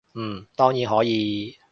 嗯，當然可以